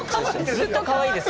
ずっとかわいいです。